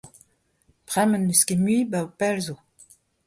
Bremañ n'eus ket mui abaoe pell zo.